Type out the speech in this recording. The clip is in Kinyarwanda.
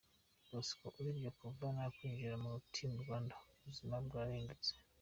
Bosco: Urebye kuva nakwinjira muri Team Rwanda, ubuzima bwarahindutse.